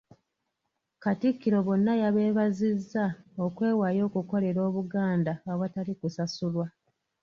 Katikkiro bonna yabeebazizza okwewaayo okukolerera Obuganda awatali kusasulwa.